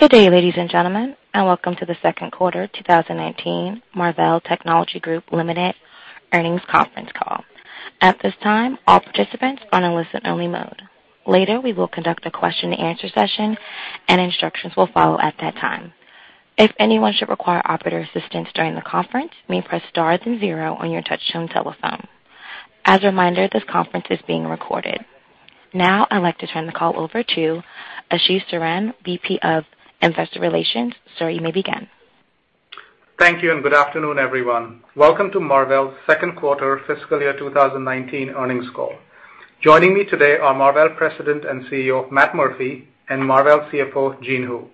Good day, ladies and gentlemen, welcome to the Second Quarter 2019 Marvell Technology Group Ltd. Earnings Conference Call. Now I'd like to turn the call over to Ashish Saran, VP of Investor Relations. Sir, you may begin. Thank you. Good afternoon, everyone. Welcome to Marvell's second quarter fiscal year 2019 earnings call. Joining me today are Marvell President and CEO, Matt Murphy, and Marvell CFO, Jean Hu.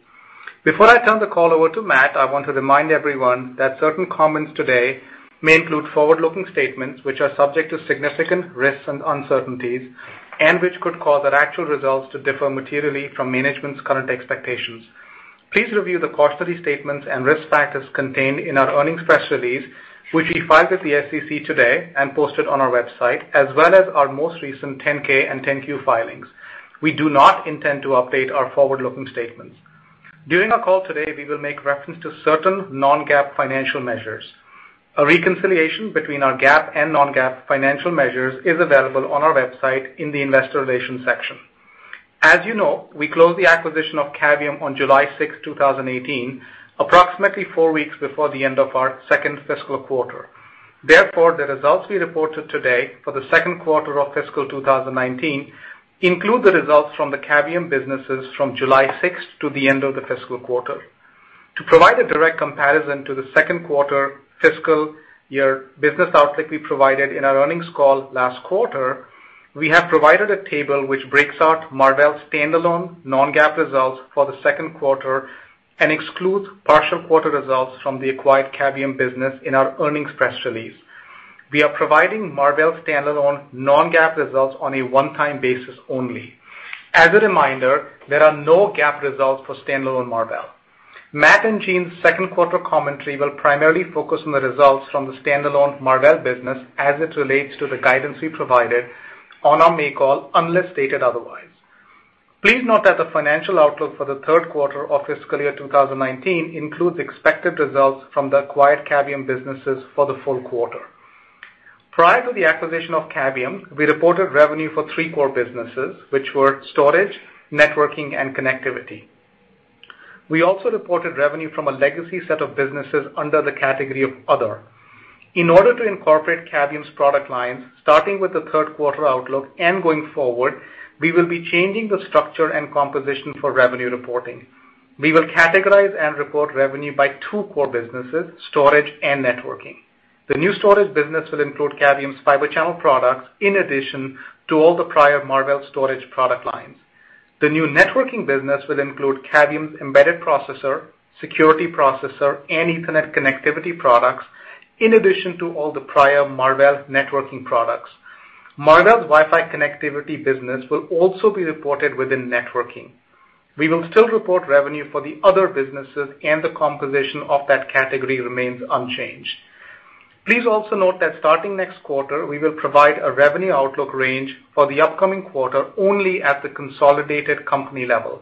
Before I turn the call over to Matt, I want to remind everyone that certain comments today may include forward-looking statements which are subject to significant risks and uncertainties and which could cause our actual results to differ materially from management's current expectations. Please review the cautionary statements and risk factors contained in our earnings press release, which we filed with the SEC today and posted on our website, as well as our most recent Form 10-K and Form 10-Q filings. We do not intend to update our forward-looking statements. During our call today, we will make reference to certain non-GAAP financial measures. A reconciliation between our GAAP and non-GAAP financial measures is available on our website in the Investor Relations section. As you know, we closed the acquisition of Cavium on July 6, 2018, approximately four weeks before the end of our second fiscal quarter. Therefore, the results we reported today for the second quarter of fiscal 2019 include the results from the Cavium businesses from July 6 to the end of the fiscal quarter. To provide a direct comparison to the second quarter fiscal year business outlook we provided in our earnings call last quarter, we have provided a table which breaks out Marvell's standalone non-GAAP results for the second quarter and excludes partial quarter results from the acquired Cavium business in our earnings press release. We are providing Marvell standalone non-GAAP results on a one-time basis only. As a reminder, there are no GAAP results for standalone Marvell. Matt and Jean's second quarter commentary will primarily focus on the results from the standalone Marvell business as it relates to the guidance we provided on our May call, unless stated otherwise. Please note that the financial outlook for the third quarter of fiscal year 2019 includes expected results from the acquired Cavium businesses for the full quarter. Prior to the acquisition of Cavium, we reported revenue for three core businesses, which were storage, networking, and connectivity. We also reported revenue from a legacy set of businesses under the category of other. In order to incorporate Cavium's product lines, starting with the third quarter outlook and going forward, we will be changing the structure and composition for revenue reporting. We will categorize and report revenue by two core businesses: storage and networking. The new storage business will include Cavium's Fibre Channel products in addition to all the prior Marvell storage product lines. The new networking business will include Cavium's embedded processor, security processor, and Ethernet connectivity products, in addition to all the prior Marvell networking products. Marvell's Wi-Fi connectivity business will also be reported within networking. We will still report revenue for the other businesses and the composition of that category remains unchanged. Please also note that starting next quarter, we will provide a revenue outlook range for the upcoming quarter only at the consolidated company level.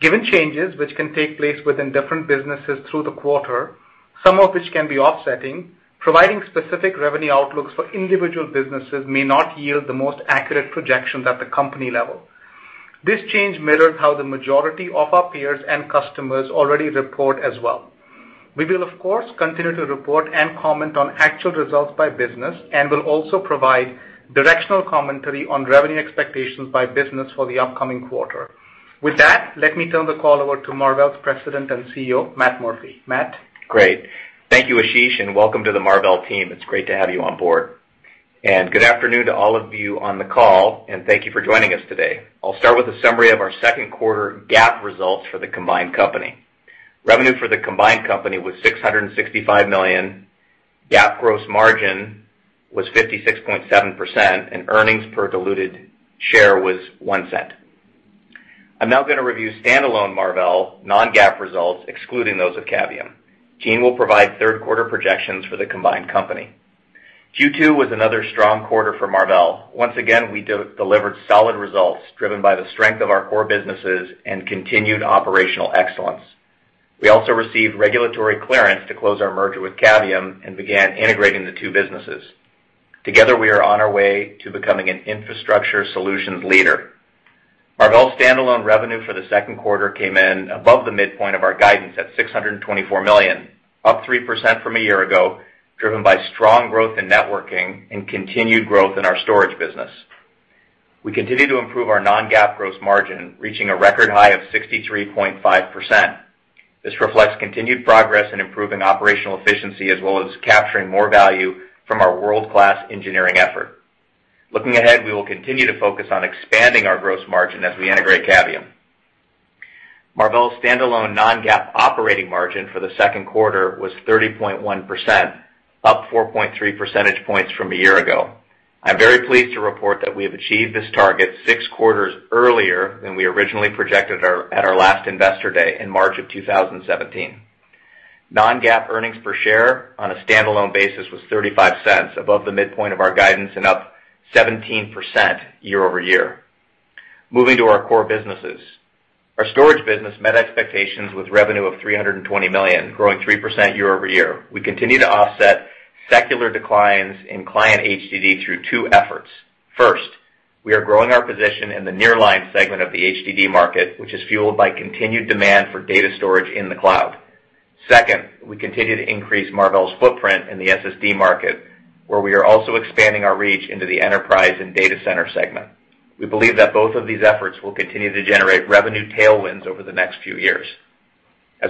Given changes which can take place within different businesses through the quarter, some of which can be offsetting, providing specific revenue outlooks for individual businesses may not yield the most accurate projections at the company level. This change mirrors how the majority of our peers and customers already report as well. We will of course, continue to report and comment on actual results by business and will also provide directional commentary on revenue expectations by business for the upcoming quarter. With that, let me turn the call over to Marvell's President and CEO, Matt Murphy. Matt? Great. Thank you, Ashish, and welcome to the Marvell team. It's great to have you on board. Good afternoon to all of you on the call, and thank you for joining us today. I'll start with a summary of our second quarter GAAP results for the combined company. Revenue for the combined company was $665 million, GAAP gross margin was 56.7%, and earnings per diluted share was $0.01. I'm now gonna review standalone Marvell non-GAAP results, excluding those of Cavium. Jean will provide third quarter projections for the combined company. Q2 was another strong quarter for Marvell. Once again, we delivered solid results driven by the strength of our core businesses and continued operational excellence. We also received regulatory clearance to close our merger with Cavium and began integrating the two businesses. Together, we are on our way to becoming an infrastructure solutions leader. Marvell's standalone revenue for the second quarter came in above the midpoint of our guidance at $624 million, up 3% from a year-ago, driven by strong growth in networking and continued growth in our storage business. We continue to improve our non-GAAP gross margin, reaching a record high of 63.5%. This reflects continued progress in improving operational efficiency as well as capturing more value from our world-class engineering effort. Looking ahead, we will continue to focus on expanding our gross margin as we integrate Cavium. Marvell's standalone non-GAAP operating margin for the second quarter was 30.1%, up 4.3 percentage points from a year-ago. I'm very pleased to report that we have achieved this target six quarters earlier than we originally projected at our last Investor Day in March 2017. non-GAAP earnings per share on a standalone basis was $0.35, above the midpoint of our guidance and up 17% year-over-year. Moving to our core businesses. Our storage business met expectations with revenue of $320 million, growing 3% year-over-year. We continue to offset secular declines in client HDD through two efforts. First, we are growing our position in the nearline segment of the HDD market, which is fueled by continued demand for data storage in the cloud. Second, we continue to increase Marvell's footprint in the SSD market, where we are also expanding our reach into the enterprise and data center segment. We believe that both of these efforts will continue to generate revenue tailwinds over the next few years.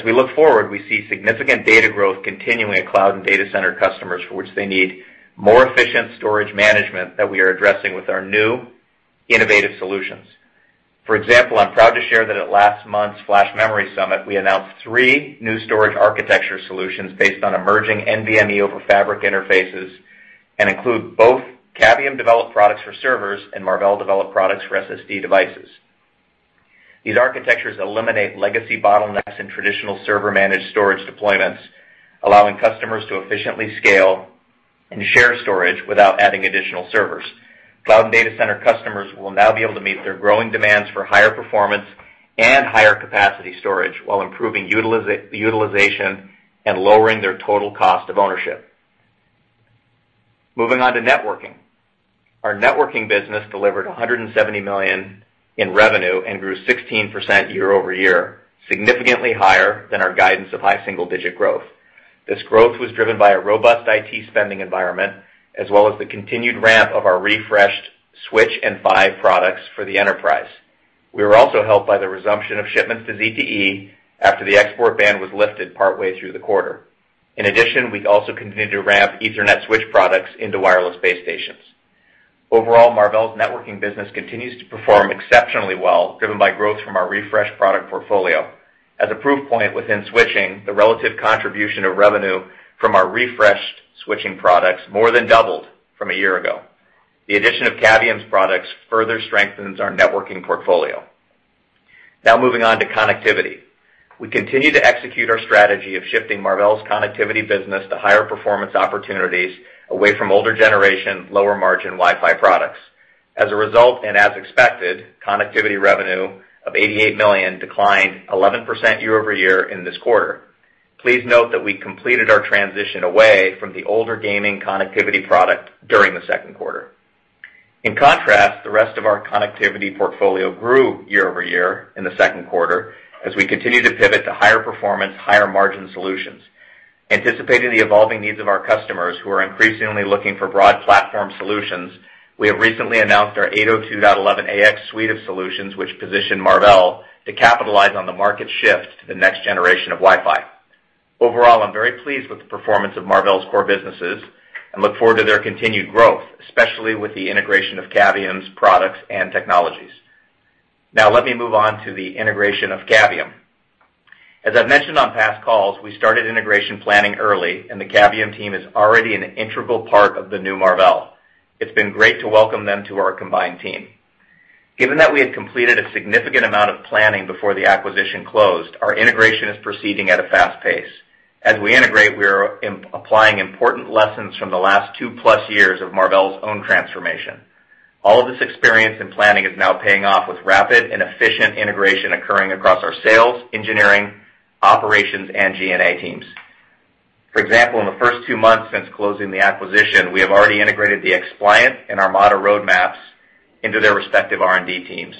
We look forward, we see significant data growth continuing at cloud and data center customers for which they need more efficient storage management that we are addressing with our new innovative solutions. For example, I'm proud to share that at last month's Flash Memory Summit, we announced three new storage architecture solutions based on emerging NVMe over Fabrics interfaces and include both Cavium-developed products for servers and Marvell-developed products for SSD devices. These architectures eliminate legacy bottlenecks in traditional server-managed storage deployments, allowing customers to efficiently scale and share storage without adding additional servers. Cloud and data center customers will now be able to meet their growing demands for higher performance and higher capacity storage while improving utilization and lowering their total cost of ownership. Moving on to networking. Our networking business delivered $170 million in revenue and grew 16% year-over-year, significantly higher than our guidance of high single-digit growth. This growth was driven by a robust IT spending environment as well as the continued ramp of our refreshed switch and PHY products for the enterprise. We were also helped by the resumption of shipments to ZTE after the export ban was lifted partway through the quarter. We also continued to ramp Ethernet switch products into wireless base stations. Marvell's networking business continues to perform exceptionally well, driven by growth from our refreshed product portfolio. As a proof point within switching, the relative contribution of revenue from our refreshed switching products more than doubled from a year ago. The addition of Cavium's products further strengthens our networking portfolio. Moving on to connectivity. We continue to execute our strategy of shifting Marvell's connectivity business to higher performance opportunities away from older generation, lower margin Wi-Fi products. As a result, and as expected, connectivity revenue of $88 million declined 11% year-over-year in this quarter. Please note that we completed our transition away from the older gaming connectivity product during the second quarter. In contrast, the rest of our connectivity portfolio grew year-over-year in the second quarter as we continue to pivot to higher performance, higher margin solutions. Anticipating the evolving needs of our customers who are increasingly looking for broad platform solutions, we have recently announced our 802.11ax suite of solutions, which position Marvell to capitalize on the market shift to the next generation of Wi-Fi. Overall, I'm very pleased with the performance of Marvell's core businesses and look forward to their continued growth, especially with the integration of Cavium's products and technologies. Now let me move on to the integration of Cavium. As I've mentioned on past calls, we started integration planning early, and the Cavium team is already an integral part of the new Marvell. It's been great to welcome them to our combined team. Given that we had completed a significant amount of planning before the acquisition closed, our integration is proceeding at a fast pace. As we integrate, we are applying important lessons from the last two-plus years of Marvell's own transformation. All of this experience and planning is now paying off with rapid and efficient integration occurring across our sales, engineering, operations, and G&A teams. For example, in the first two months since closing the acquisition, we have already integrated the XPliant and ARMADA roadmaps into their respective R&D teams.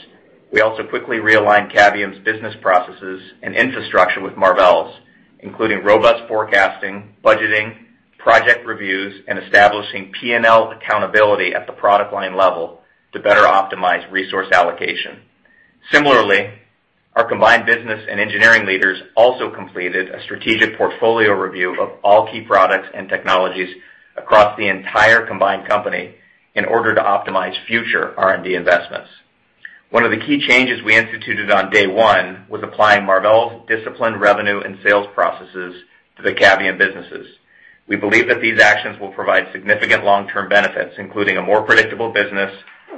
We also quickly realigned Cavium's business processes and infrastructure with Marvell's, including robust forecasting, budgeting, project reviews, and establishing P&L accountability at the product line level to better optimize resource allocation. Similarly, our combined business and engineering leaders also completed a strategic portfolio review of all key products and technologies across the entire combined company in order to optimize future R&D investments. One of the key changes we instituted on day one was applying Marvell's disciplined revenue and sales processes to the Cavium businesses. We believe that these actions will provide significant long-term benefits, including a more predictable business,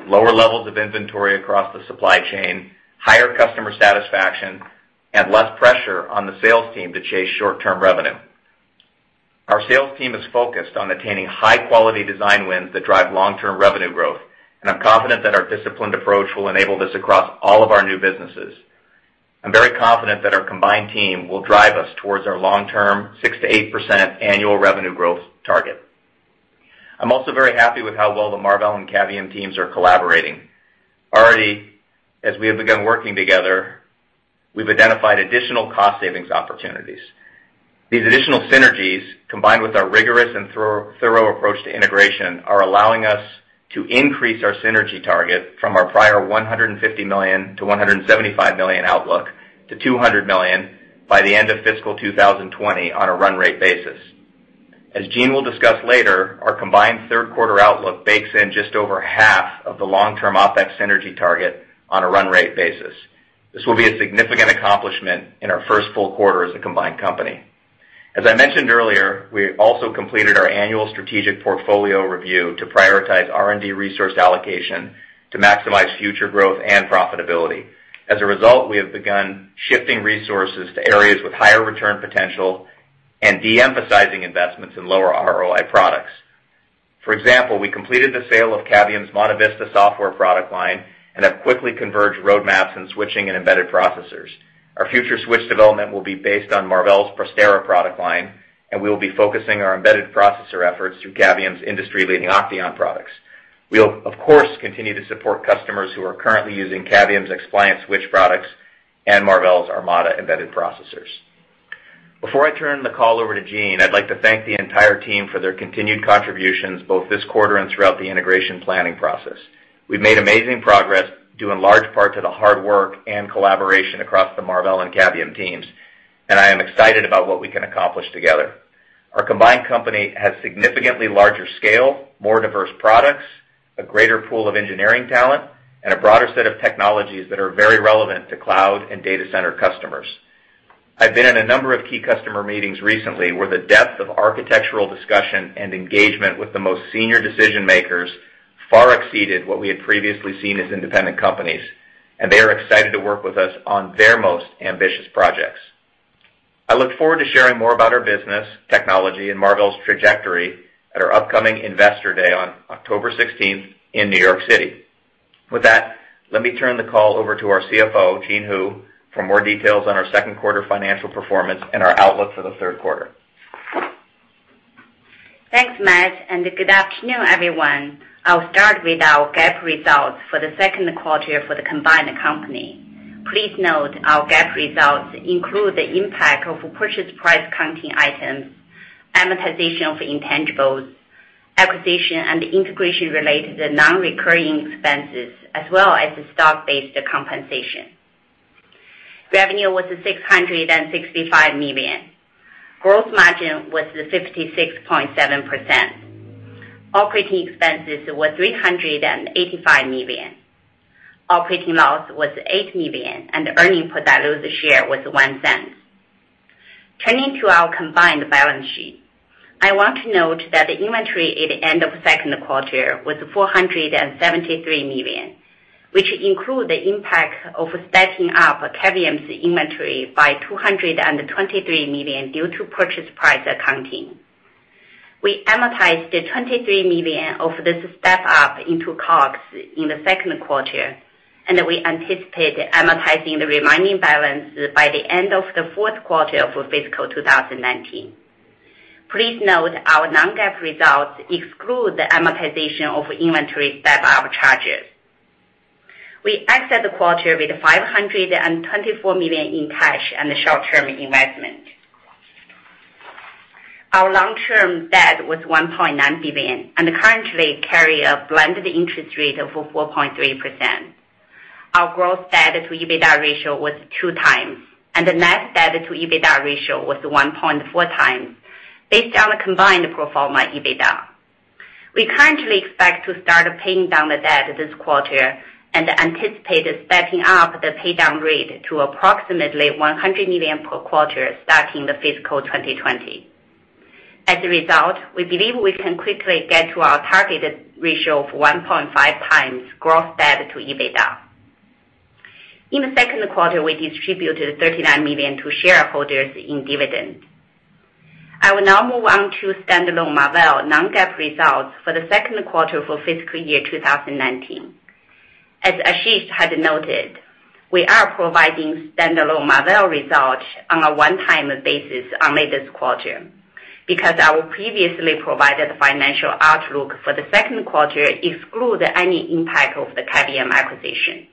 lower levels of inventory across the supply chain, higher customer satisfaction, and less pressure on the sales team to chase short-term revenue. Our sales team is focused on attaining high-quality design wins that drive long-term revenue growth, and I'm confident that our disciplined approach will enable this across all of our new businesses. I'm very confident that our combined team will drive us towards our long-term 6%-8% annual revenue growth target. I'm also very happy with how well the Marvell and Cavium teams are collaborating. Already, as we have begun working together, we've identified additional cost savings opportunities. These additional synergies, combined with our rigorous and thorough approach to integration, are allowing us to increase our synergy target from our prior $150 million to $175 million outlook to $200 million by the end of fiscal 2020 on a run rate basis. As Jean will discuss later, our combined third quarter outlook bakes in just over half of the long-term OpEx synergy target on a run rate basis. This will be a significant accomplishment in our 1st full quarter as a combined company. As I mentioned earlier, we have also completed our annual strategic portfolio review to prioritize R&D resource allocation to maximize future growth and profitability. As a result, we have begun shifting resources to areas with higher return potential and de-emphasizing investments in lower ROI products. For example, we completed the sale of Cavium's MontaVista Software product line and have quickly converged roadmaps in switching and embedded processors. Our future switch development will be based on Marvell's Prestera product line, and we will be focusing our embedded processor efforts through Cavium's industry-leading OCTEON products. We'll, of course, continue to support customers who are currently using Cavium's XPliant Switch products and Marvell's ARMADA embedded processors. Before I turn the call over to Jean, I'd like to thank the entire team for their continued contributions, both this quarter and throughout the integration planning process. We've made amazing progress due in large part to the hard work and collaboration across the Marvell and Cavium teams, and I am excited about what we can accomplish together. Our combined company has significantly larger scale, more diverse products, a greater pool of engineering talent, and a broader set of technologies that are very relevant to cloud and data center customers. I've been in a number of key customer meetings recently where the depth of architectural discussion and engagement with the most senior decision-makers far exceeded what we had previously seen as independent companies, and they are excited to work with us on their most ambitious projects. I look forward to sharing more about our business, technology, and Marvell's trajectory at our upcoming Investor Day on October 16th in New York City. With that, let me turn the call over to our CFO, Jean Hu, for more details on our second quarter financial performance and our outlook for the third quarter. Thanks, Matt, and good afternoon, everyone. I'll start with our GAAP results for the second quarter for the combined company. Please note our GAAP results include the impact of purchase price accounting items, amortization of intangibles, acquisition and integration related to non-recurring expenses, as well as the stock-based compensation. Revenue was $665 million. Gross margin was 56.7%. Operating expenses were $385 million. Operating loss was $8 million, and earning per diluted share was $0.01. Turning to our combined balance sheet. I want to note that the inventory at the end of second quarter was $473 million, which include the impact of stepping up Cavium's inventory by $223 million due to purchase price accounting. We amortized $23 million of this step-up into COGS in the second quarter, and we anticipate amortizing the remaining balance by the end of the fourth quarter of fiscal 2019. Please note our non-GAAP results exclude the amortization of inventory step-up charges. We exit the quarter with $524 million in cash and short-term investment. Our long-term debt was $1.9 billion and currently carry a blended interest rate of 4.3%. Our gross debt to EBITDA ratio was 2x, and the net debt to EBITDA ratio was 1.4x based on a combined pro forma EBITDA. We currently expect to start paying down the debt this quarter and anticipate stepping up the paydown rate to approximately $100 million per quarter starting fiscal 2020. As a result, we believe we can quickly get to our targeted ratio of 1.5x gross debt to EBITDA. In the second quarter, we distributed $39 million to shareholders in dividend. I will now move on to standalone Marvell non-GAAP results for the second quarter for fiscal year 2019. As Ashish had noted, we are providing standalone Marvell results on a one-time basis on this quarter because our previously provided financial outlook for the second quarter exclude any impact of the Cavium acquisition.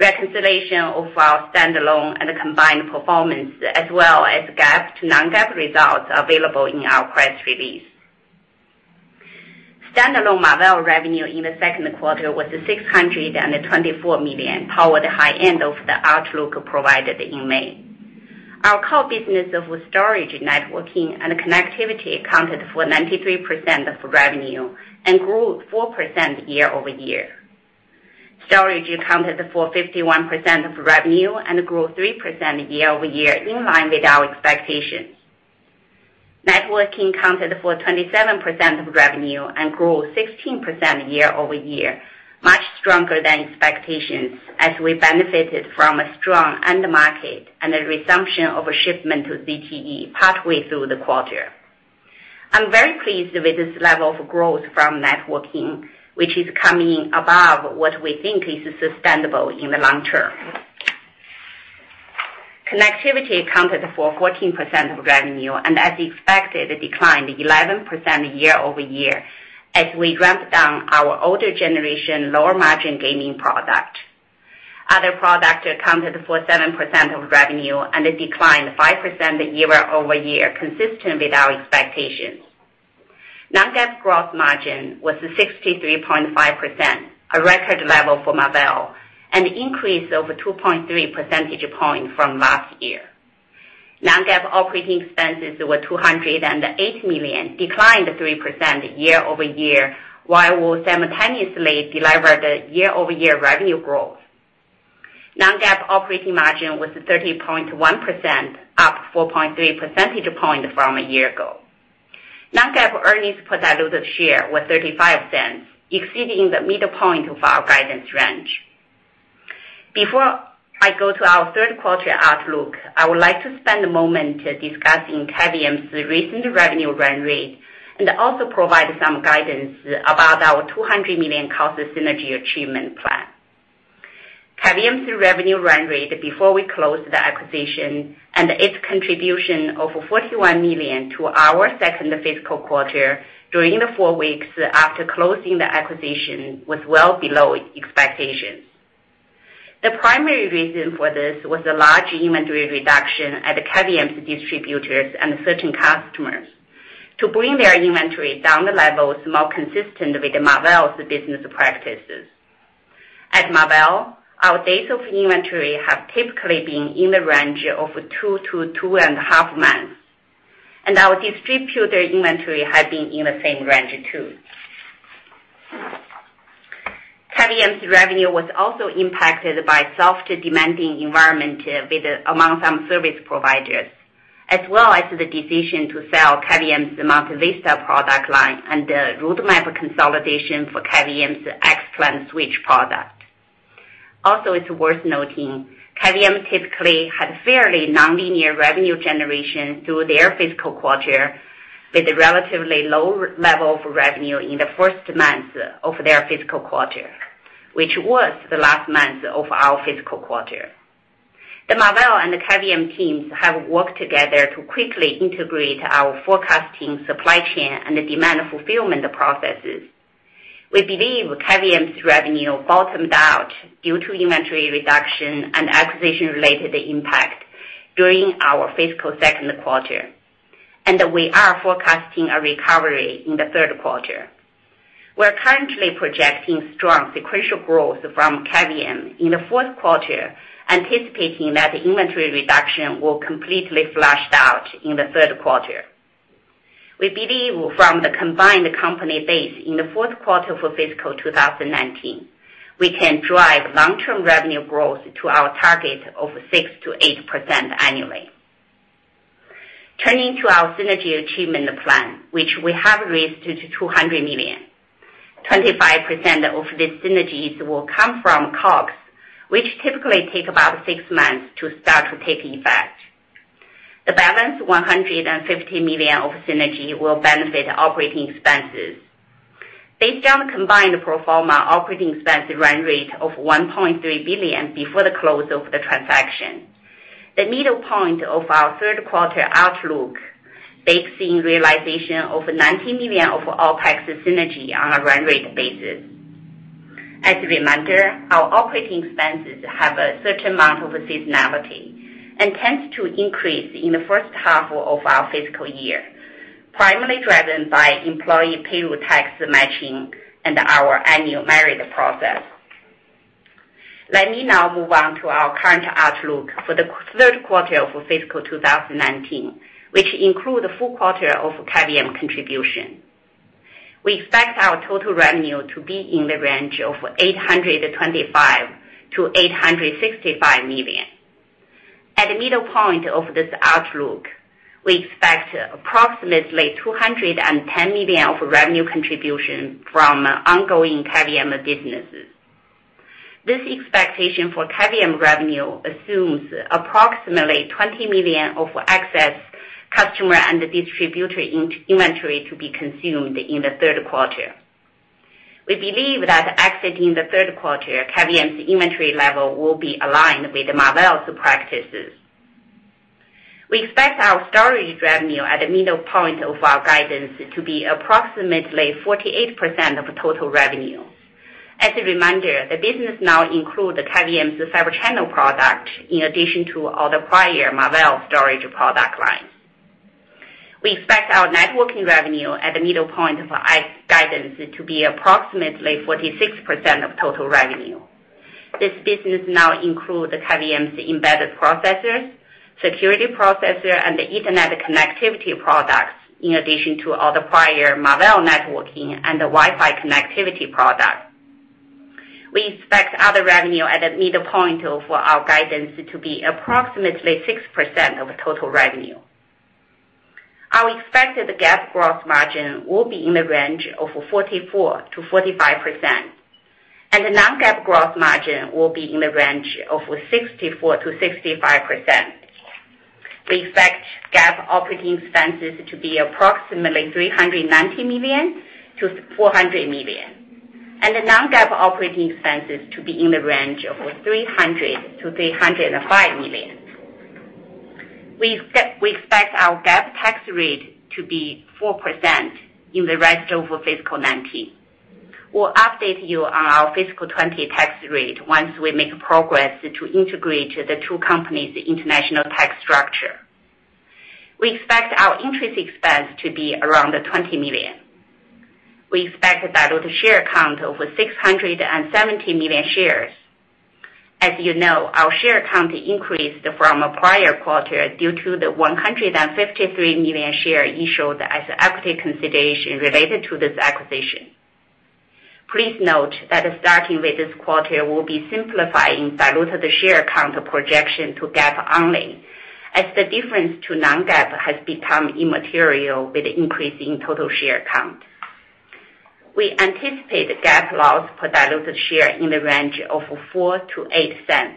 Reconciliation of our standalone and combined performance as well as GAAP to non-GAAP results are available in our press release. Standalone Marvell revenue in the second quarter was $624 million, powered high end of the outlook provided in May. Our core business of storage, networking, and connectivity accounted for 93% of revenue and grew 4% year-over-year. Storage accounted for 51% of revenue and grew 3% year-over-year in line with our expectations. Networking accounted for 27% of revenue and grew 16% year-over-year, much stronger than expectations as we benefited from a strong end market and a resumption of a shipment to ZTE pathway through the quarter. I'm very pleased with this level of growth from networking, which is coming above what we think is sustainable in the long term. Connectivity accounted for 14% of revenue and as expected, declined 11% year-over-year as we ramped down our older generation lower margin gaming product. Other product accounted for 7% of revenue and it declined 5% year-over-year, consistent with our expectations. Non-GAAP gross margin was 63.5%, a record level for Marvell, and increased over 2.3 percentage points from last year. Non-GAAP operating expenses were $208 million, declined 3% year-over-year, while we simultaneously delivered a year-over-year revenue growth. Non-GAAP operating margin was 30.1%, up 4.3 percentage points from a year ago. Non-GAAP earnings per diluted share was $0.35, exceeding the middle point of our guidance range. Before I go to our third quarter outlook, I would like to spend a moment discussing Cavium's recent revenue run rate and also provide some guidance about our $200 million cost synergy achievement plan. Cavium's revenue run rate before we closed the acquisition and its contribution of $41 million to our second fiscal quarter during the weeks after closing the acquisition was well below expectations. The primary reason for this was a large inventory reduction at Cavium's distributors and certain customers to bring their inventory down the levels more consistent with Marvell's business practices. At Marvell, our days of inventory have typically been in the range of two to two and a half months, and our distributor inventory had been in the same range too. Cavium's revenue was also impacted by softer demanding environment among some service providers, as well as the decision to sell Cavium's MontaVista product line and the roadmap consolidation for Cavium's XPliant Switch product. Also, it's worth noting Cavium typically had fairly non-linear revenue generation through their fiscal quarter, with a relatively low level of revenue in the first month of their fiscal quarter, which was the last month of our fiscal quarter. The Marvell and Cavium teams have worked together to quickly integrate our forecasting supply chain and the demand fulfillment processes. We believe Cavium's revenue bottomed out due to inventory reduction and acquisition-related impact during our fiscal second quarter, and we are forecasting a recovery in the third quarter. We're currently projecting strong sequential growth from Cavium in the fourth quarter, anticipating that the inventory reduction will completely flushed out in the third quarter. We believe from the combined company base in the fourth quarter for fiscal 2019, we can drive long-term revenue growth to our target of 6%-8% annually. Turning to our synergy achievement plan, which we have raised to $200 million. 25% of the synergies will come from COGS, which typically take about six months to start to take effect. The balance, $150 million of synergy, will benefit operating expenses. Based on combined pro forma operating expense run rate of $1.3 billion before the close of the transaction, the middle point of our third quarter outlook bakes in realization of $90 million of OpEx synergy on a run-rate basis. As a reminder, our operating expenses have a certain amount of seasonality and tends to increase in the first half of our fiscal year, primarily driven by employee payroll tax matching and our annual merit process. Let me now move on to our current outlook for the third quarter of fiscal 2019, which include the full quarter of Cavium contribution. We expect our total revenue to be in the range of $825 million-$865 million. At the middle point of this outlook, we expect approximately $210 million of revenue contribution from ongoing Cavium businesses. This expectation for Cavium revenue assumes approximately $20 million of excess customer and distributor inventory to be consumed in the third quarter. We believe that exiting the third quarter, Cavium's inventory level will be aligned with Marvell's practices. We expect our storage revenue at the middle point of our guidance to be approximately 48% of total revenue. As a reminder, the business now includes the Cavium's LiquidSecurity product in addition to all the prior Marvell storage product lines. We expect our networking revenue at the middle point of our guidance to be approximately 46% of total revenue. This business now includes the Cavium's embedded processors, security processor, and Ethernet connectivity products, in addition to all the prior Marvell networking and the Wi-Fi connectivity product. We expect other revenue at the midpoint of our guidance to be approximately 6% of total revenue. Our expected GAAP gross margin will be in the range of 44%-45%, and the non-GAAP gross margin will be in the range of 64%-65%. We expect GAAP operating expenses to be approximately $390 million-$400 million, and the non-GAAP operating expenses to be in the range of $300 million-$305 million. We expect our GAAP tax rate to be 4% in the rest of fiscal 2019. We'll update you on our fiscal 2020 tax rate once we make progress to integrate the two companies' international tax structure. We expect our interest expense to be around $20 million. We expect a diluted share count of 670 million shares. As you know, our share count increased from a prior quarter due to the 153 million share issued as equity consideration related to this acquisition. Please note that starting with this quarter, we'll be simplifying diluted share count projection to GAAP only, as the difference to non-GAAP has become immaterial with increasing total share count. We anticipate GAAP loss per diluted share in the range of $0.04-$0.08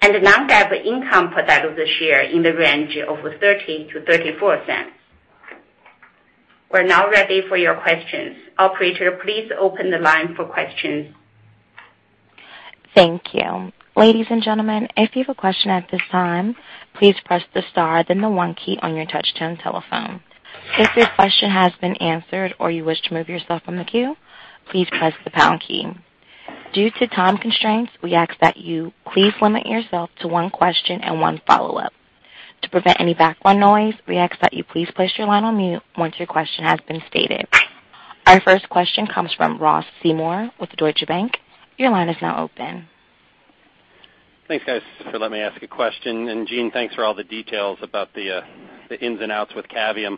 and non-GAAP income per diluted share in the range of $0.13-$0.34. We're now ready for your questions. Operator, please open the line for questions. Thank you. Ladies and gentlemen, if you have a question at this time, please press the star then the 1 key on your touch-tone telephone. If your question has been answered or you wish to remove yourself from the queue, please press the pound key. Due to time constraints, we ask that you please limit yourself to one question and one follow-up. To prevent any background noise, we ask that you please place your line on mute once your question has been stated. Our first question comes from Ross Seymore with Deutsche Bank. Your line is now open. Thanks, guys, for letting me ask a question. Jean, thanks for all the details about the ins and outs with Cavium.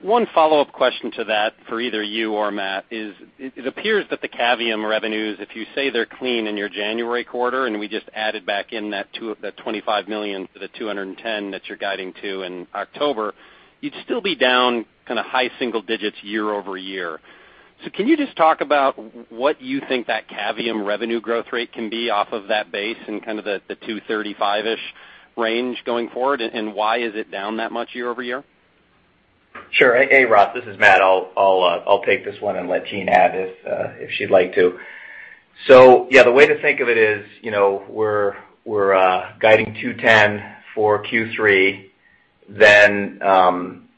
One follow-up question to that for either you or Matt is, it appears that the Cavium revenues, if you say they're clean in your January quarter, and we just added back in that $25 million to the 210 that you're guiding to in October, you'd still be down kinda high single digits year-over-year. Can you just talk about what you think that Cavium revenue growth rate can be off of that base and kind of the 235-ish range going forward, and why is it down that much year-over-year? Sure. Hey, Ross, this is Matt. I'll take this one and let Jean add if she'd like to. Yeah, the way to think of it is, you know, we're guiding $210 for Q3.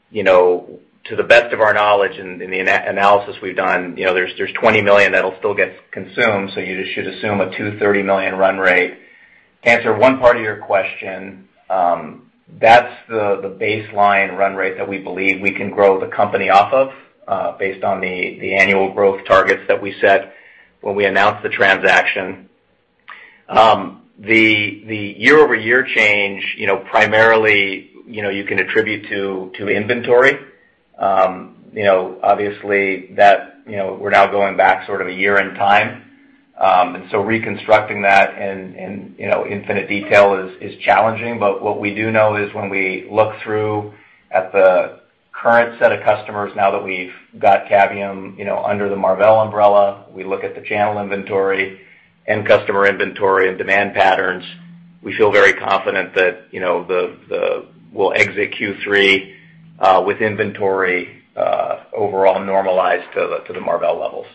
You know, to the best of our knowledge in the analysis we've done, you know, there's $20 million that'll still get consumed, you just should assume a $230 million run rate. To answer one part of your question, that's the baseline run rate that we believe we can grow the company off of, based on the annual growth targets that we set when we announced the transaction. The year-over-year change, you know, primarily, you know, you can attribute to inventory. You know, obviously that, you know, we're now going back sort of a year in time, reconstructing that in, you know, infinite detail is challenging. What we do know is when we look through at the current set of customers now that we've got Cavium, you know, under the Marvell umbrella, we look at the channel inventory and customer inventory and demand patterns, we feel very confident that, you know, we'll exit Q3 with inventory overall normalized to the Marvell levels.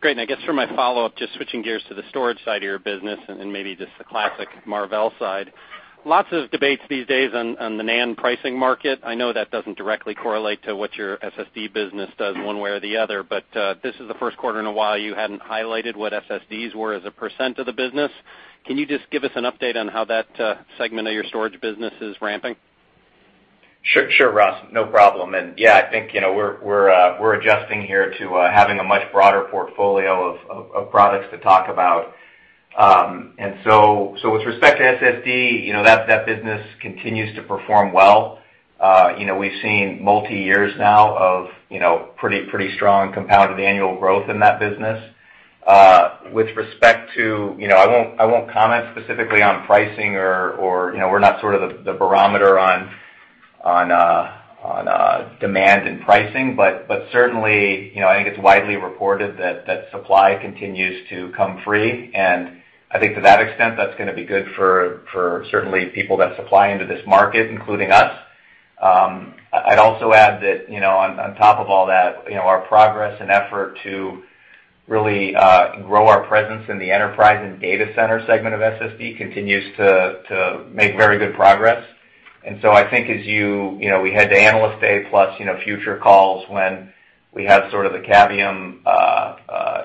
Great. I guess for my follow-up, just switching gears to the storage side of your business, and maybe just the classic Marvell side. Lots of debates these days on the NAND pricing market. I know that doesn't directly correlate to what your SSD business does one way or the other, but this is the first quarter in a while you hadn't highlighted what SSDs were as a % of the business. Can you just give us an update on how that segment of your storage business is ramping? Sure. Sure, Ross. No problem. Yeah, I think, you know, we're adjusting here to having a much broader portfolio of products to talk about. With respect to SSD, you know, that business continues to perform well. You know, we've seen multi-years now of, you know, pretty strong compounded annual growth in that business. With respect to, you know, I won't comment specifically on pricing or, you know, we're not sort of the barometer on demand and pricing. Certainly, you know, I think it's widely reported that supply continues to come free, and I think to that extent, that's gonna be good for certainly people that supply into this market, including us. I'd also add that, you know, on top of all that, you know, our progress and effort to really grow our presence in the enterprise and data center segment of SSD continues to make very good progress. I think as you know, we head to Analyst Day plus, you know, future calls when we have sort of the Cavium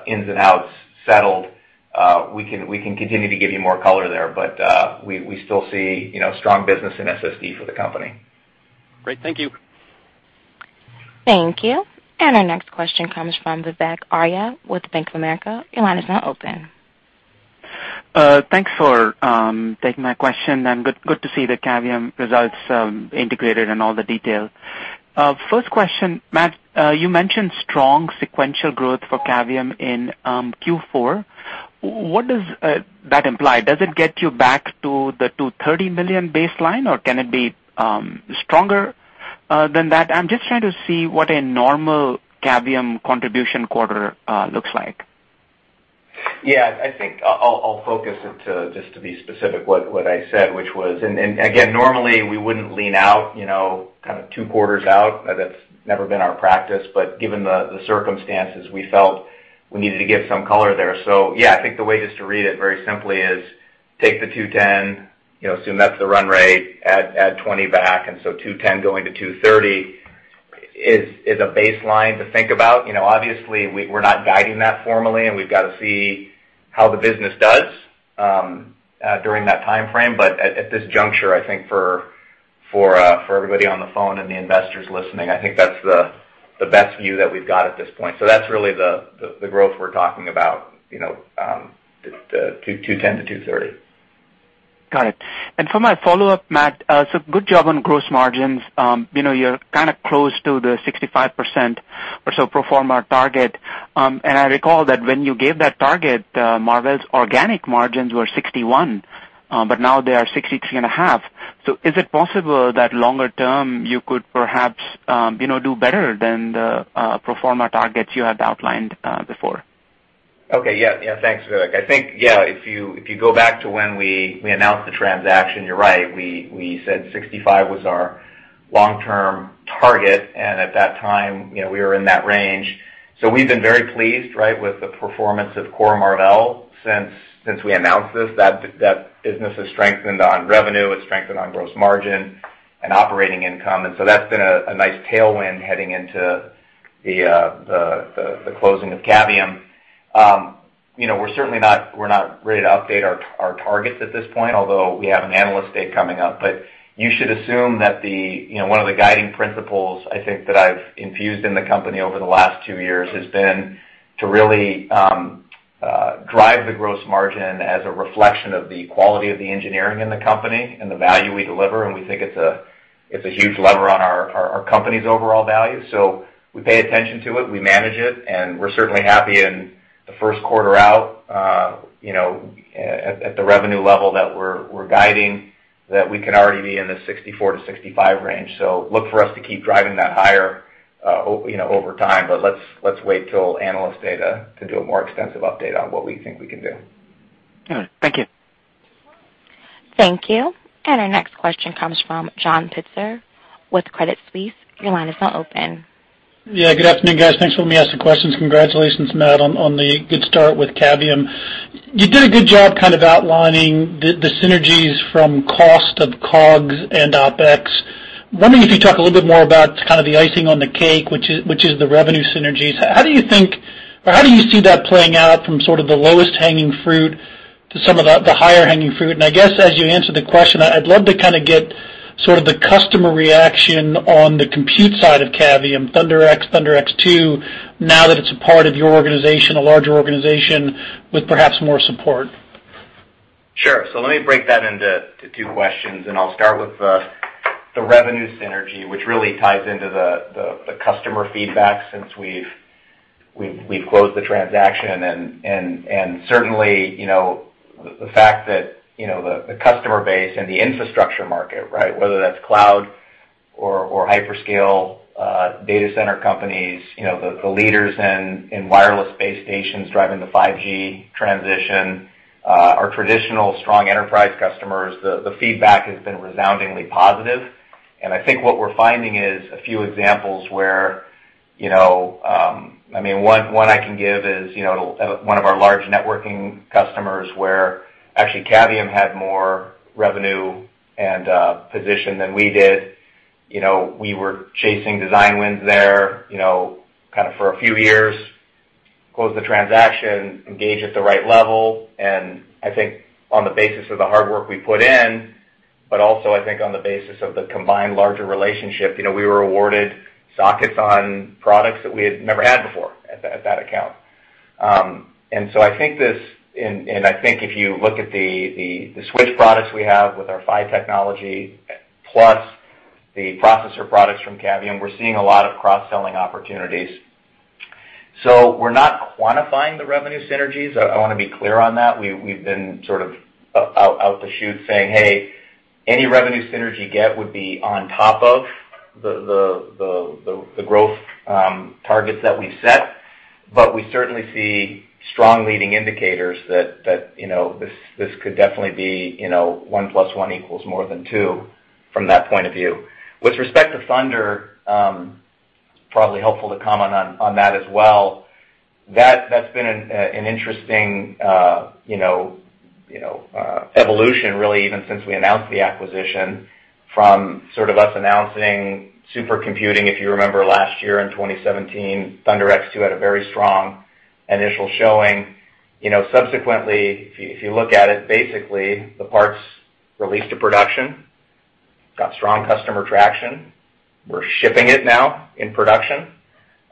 ins and outs settled, we can continue to give you more color there. We still see, you know, strong business in SSD for the company. Great. Thank you. Thank you. Our next question comes from Vivek Arya with Bank of America. Thanks for taking my question, and good to see the Cavium results integrated and all the detail. First question. Matt, you mentioned strong sequential growth for Cavium in Q4. What does that imply? Does it get you back to the $230 million baseline, or can it be stronger than that? I'm just trying to see what a normal Cavium contribution quarter looks like. Yeah, I think I'll focus it to, just to be specific what I said, which was, again, normally we wouldn't lean out, you know, kind of two quarters out. That's never been our practice, but given the circumstances, we felt we needed to give some color there. Yeah, I think the way just to read it very simply is take the $210, you know, assume that's the run rate, add $20 back, and $210 going to $230 is a baseline to think about. You know, obviously we're not guiding that formally, and we've got to see how the business does during that timeframe. At this juncture, I think for everybody on the phone and the investors listening, I think that's the best view that we've got at this point. That's really the growth we're talking about, you know, $210-$230. Got it. For my follow-up, Matt, good job on gross margins. You know, you're kinda close to the 65% or so pro forma target. I recall that when you gave that target, Marvell's organic margins were 61%, but now they are 63.5%. Is it possible that longer term you could perhaps, you know, do better than the pro forma targets you had outlined before? Yeah, thanks, Vivek. I think, if you go back to when we announced the transaction, you're right. We said 65 was our long-term target. At that time, you know, we were in that range. We've been very pleased, right, with the performance of core Marvell since we announced this. That business has strengthened on revenue, it's strengthened on gross margin and operating income. That's been a nice tailwind heading into the closing of Cavium. You know, we're certainly not ready to update our targets at this point, although we have an Analyst Day coming up. You should assume that the, you know, one of the guiding principles I think that I've infused in the company over the last two years has been to really drive the gross margin as a reflection of the quality of the engineering in the company and the value we deliver, and we think it's a, it's a huge lever on our company's overall value. We pay attention to it, we manage it, and we're certainly happy in the first quarter out, you know, at the revenue level that we're guiding, that we can already be in the 64%-65% range. Look for us to keep driving that higher, you know, over time. Let's, let's wait till Analyst Day to do a more extensive update on what we think we can do. All right. Thank you. Thank you. Our next question comes from John Pitzer with Credit Suisse. Yeah, good afternoon, guys. Thanks for letting me ask some questions. Congratulations, Matt, on the good start with Cavium. You did a good job kind of outlining the synergies from cost of COGS and OpEx. Wondering if you talk a little bit more about kind of the icing on the cake, which is the revenue synergies. How do you think or how do you see that playing out from sort of the lowest hanging fruit to some of the higher hanging fruit? I guess as you answer the question, I'd love to kinda get sort of the customer reaction on the compute side of Cavium, ThunderX, ThunderX2, now that it's a part of your organization, a larger organization with perhaps more support. Sure. Let me break that into two questions, and I'll start with the revenue synergy, which really ties into the customer feedback since we've closed the transaction. Certainly, you know, the fact that, you know, the customer base and the infrastructure market, right? Whether that's cloud or hyperscale data center companies, you know, the leaders in wireless base stations driving the 5G transition, our traditional strong enterprise customers, the feedback has been resoundingly positive. I think what we're finding is a few examples where, you know, I mean, one I can give is, you know, one of our large networking customers, where actually Cavium had more revenue and position than we did. You know, we were chasing design wins there, you know, kinda for a few years. Closed the transaction, engaged at the right level. I think on the basis of the hard work we put in, but also I think on the basis of the combined larger relationship, you know, we were awarded sockets on products that we had never had before at that account. I think this, and I think if you look at the switch products we have with our PHY technology plus the processor products from Cavium, we're seeing a lot of cross-selling opportunities. We're not quantifying the revenue synergies. I wanna be clear on that. We've been sort of out the chute saying, "Hey, any revenue synergy you get would be on top of the growth targets that we've set." We certainly see strong leading indicators that, you know, this could definitely be, you know, one plus one equals more than two from that point of view. With respect to Thunder, probably helpful to comment on that as well. That's been an interesting, you know, you know, evolution really even since we announced the acquisition from sort of us announcing supercomputing. If you remember last year in 2017, ThunderX2 had a very strong initial showing. You know, subsequently, if you look at it, basically the parts released to production, got strong customer traction. We're shipping it now in production.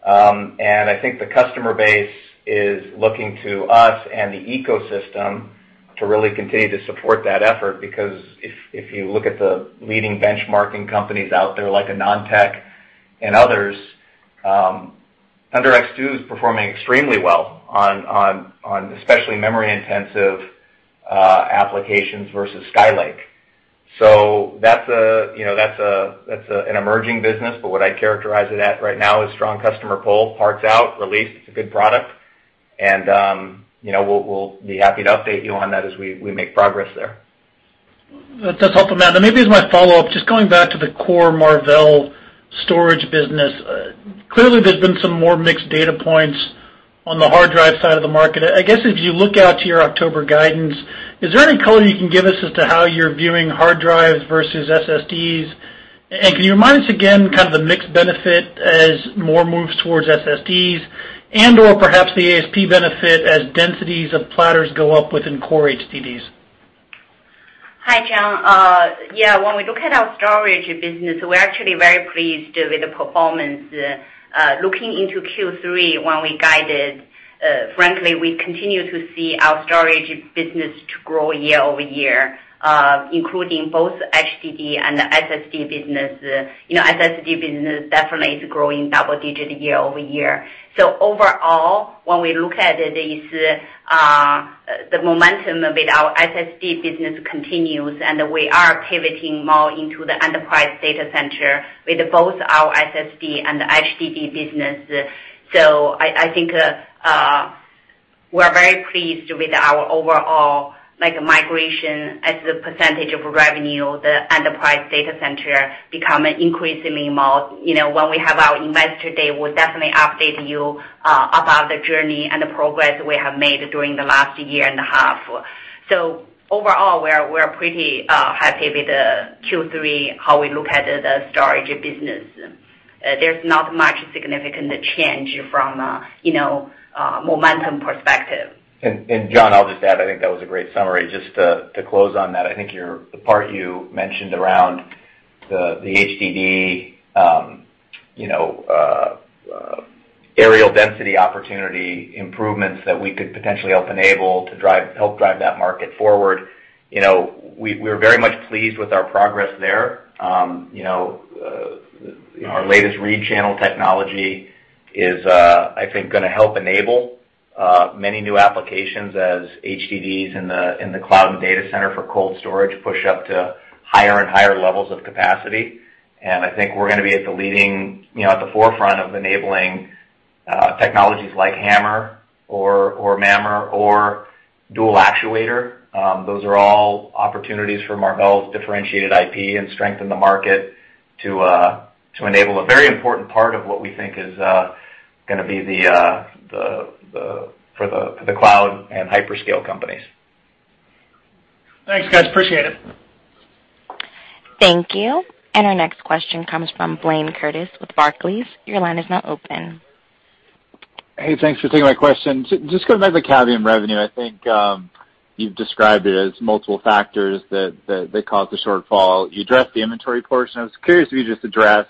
I think the customer base is looking to us and the ecosystem to really continue to support that effort because if you look at the leading benchmarking companies out there, like AnandTech and others, ThunderX2 is performing extremely well on especially memory-intensive applications versus Skylake. That's a, you know, an emerging business, but what I'd characterize it at right now is strong customer pull, parts out, released. It's a good product. You know, we'll be happy to update you on that as we make progress there. That's helpful, Matt. Maybe as my follow-up, just going back to the core Marvell storage business. Clearly there's been some more mixed data points on the hard drive side of the market. I guess if you look out to your October guidance, is there any color you can give us as to how you're viewing hard drives versus SSDs? Can you remind us again kind of the mixed benefit as more moves towards SSDs and/or perhaps the ASP benefit as densities of platters go up within core HDDs? Hi, John. yeah, when we look at our storage business, we're actually very pleased with the performance. looking into Q3 when we guided. Frankly, we continue to see our storage business to grow year-over-year, including both HDD and SSD business. You know, SSD business definitely is growing double-digit year-over-year. Overall, when we look at this, the momentum with our SSD business continues, and we are pivoting more into the enterprise data center with both our SSD and HDD business. I think, we're very pleased with our overall, like, migration as a percentage of revenue, the enterprise data center become increasingly more. You know, when we have our Investor Day, we'll definitely update you about the journey and the progress we have made during the last year and a half. Overall, we are pretty happy with Q3, how we look at the storage business. There's not much significant change from a, you know, momentum perspective. John, I'll just add, I think that was a great summary. Just to close on that, I think the part you mentioned around the HDD, you know, areal density opportunity improvements that we could potentially help enable to help drive that market forward. You know, we're very much pleased with our progress there. You know, our latest read channel technology is, I think gonna help enable many new applications as HDDs in the cloud and data center for cold storage push up to higher and higher levels of capacity. I think we're gonna be at the leading, you know, at the forefront of enabling technologies like HAMR or MAMR or dual actuator. Those are all opportunities for Marvell's differentiated IP and strength in the market to enable a very important part of what we think is gonna be the for the cloud and hyperscale companies. Thanks, guys. Appreciate it. Thank you. Our next question comes from Blayne Curtis with Barclays. Hey, thanks for taking my question. Just going back to the Cavium revenue, I think, you've described it as multiple factors that caused the shortfall. You addressed the inventory portion. I was curious if you could just address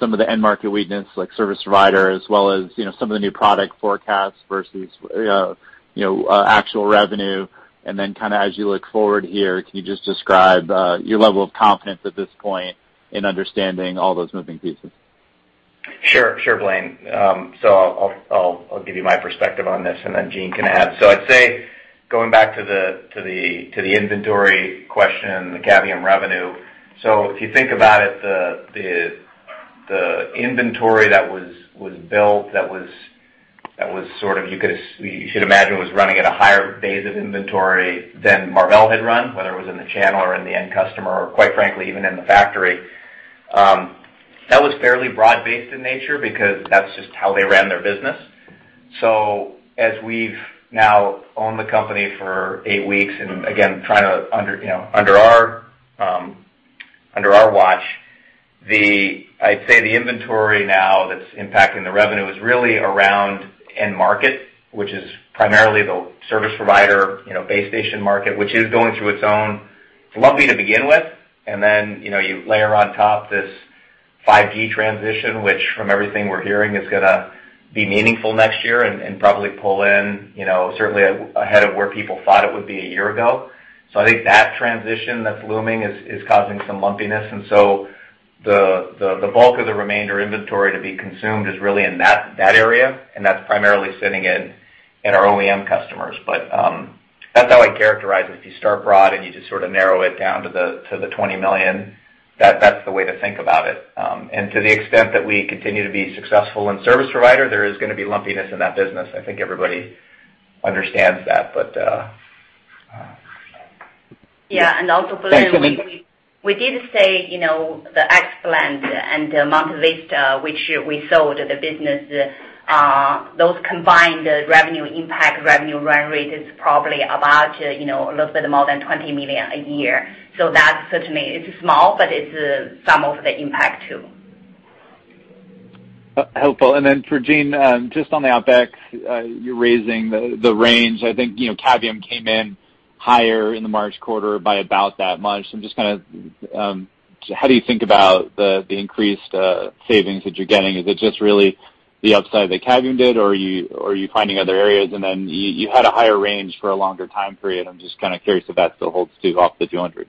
some of the end market weakness, like service provider, as well as, you know, some of the new product forecasts versus, you know, actual revenue. Then kinda as you look forward here, can you just describe your level of confidence at this point in understanding all those moving pieces? Sure. Sure, Blayne. I'll give you my perspective on this, and then Jean can add. I'd say, going back to the inventory question, the Cavium revenue, if you think about it, the inventory that was built, that was sort of, you should imagine was running at a higher base of inventory than Marvell had run, whether it was in the channel or in the end customer or quite frankly, even in the factory. That was fairly broad-based in nature because that's just how they ran their business. As we've now owned the company for eight weeks, trying to, you know, under our watch, I'd say the inventory now that's impacting the revenue is really around end market, which is primarily the service provider, you know, base station market, which is going through its own lumpy to begin with. Then, you know, you layer on top this 5G transition, which from everything we're hearing, is going to be meaningful next year and probably pull in, you know, certainly ahead of where people thought it would be a year ago. I think that transition that's looming is causing some lumpiness. The bulk of the remainder inventory to be consumed is really in that area, and that's primarily sitting in our OEM customers. That's how I characterize it. If you start broad and you just sort of narrow it down to the $20 million, that's the way to think about it. To the extent that we continue to be successful in service provider, there is going to be lumpiness in that business. I think everybody understands that. Yeah. also, Blayne- Thanks, Jean. We did say, you know, the XPliant and MontaVista, which we sold the business, those combined revenue impact revenue run rate is probably about, you know, a little bit more than $20 million a year. That certainly is small, but it's some of the impact too. Helpful. For Jean, just on the OpEx, you're raising the range. I think, you know, Cavium came in higher in the March quarter by about that much. I'm just kinda, how do you think about the increased savings that you're getting? Is it just really the upside that Cavium did, or are you finding other areas? You had a higher range for a longer time period. I'm just kinda curious if that still holds true off the $200.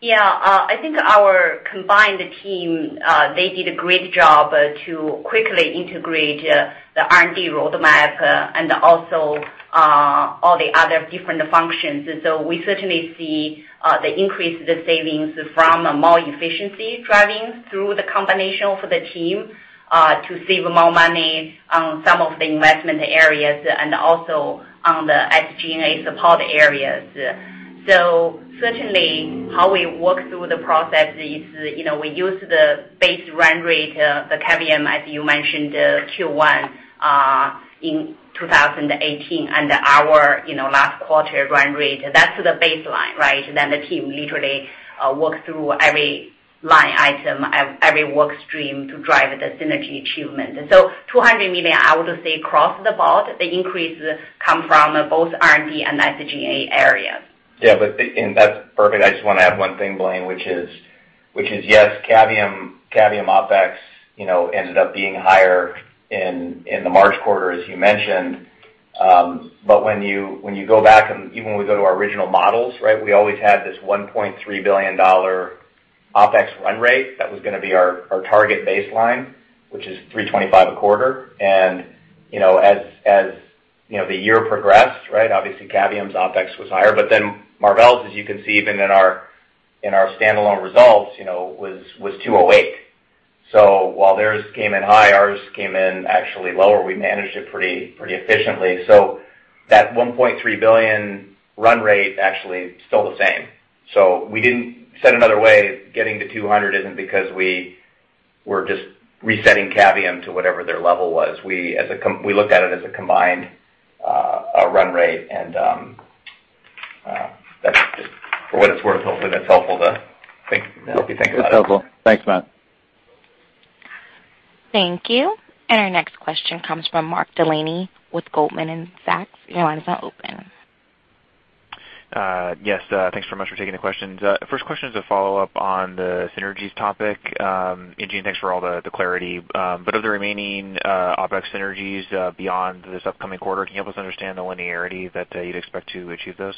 Yeah. I think our combined team, they did a great job to quickly integrate the R&D roadmap and also all the other different functions. Certainly, we see the increase the savings from more efficiency driving through the combination for the team to save more money on some of the investment areas and also on the SG&A support areas. Certainly, how we work through the process is, you know, we use the base run rate, the Cavium, as you mentioned, Q1 in 2018, and our, you know, last quarter run rate. That's the baseline, right? The team literally work through every line item, every work stream to drive the synergy achievement. $200 million, I would say across the board, the increase come from both R&D and SG&A areas. That's perfect. I just want to add one thing, Blayne, which is, yes, Cavium OpEx, you know, ended up being higher in the March quarter, as you mentioned. When you go back and even when we go to our original models, right, we always had this $1.3 billion OpEx run rate that was going to be our target baseline, which is $325 million a quarter. You know, as, you know, the year progressed, right, obviously Cavium's OpEx was higher. Marvell's, as you can see, even in our standalone results, you know, was $208 million. While theirs came in high, ours came in actually lower. We managed it pretty efficiently. That $1.3 billion run rate actually is still the same. We didn't set another way. Getting to 200 isn't because we were just resetting Cavium to whatever their level was. We looked at it as a combined run rate. That's just for what it's worth, hopefully that's helpful to think, help you think about it. That's helpful. Thanks, Matt. Thank you. Our next question comes from Mark Delaney with Goldman Sachs. Your line is now open. Yes, thanks so much for taking the questions. First question is a follow-up on the synergies topic. Jean Hu, thanks for all the clarity. Of the remaining OpEx synergies, beyond this upcoming quarter, can you help us understand the linearity that you'd expect to achieve those?